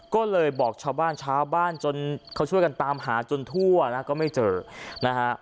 ก็เลยบอกชาวบ้านชาวบ้านจนเขาช่วยกันตามหาจนทั่วนะก็ไม่เจอนะฮะ